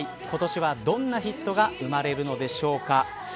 今年はどんなヒットが生まれるのでしょうか。